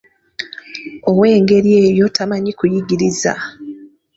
Ow'engeri eyo tamanyi kuyigiriza.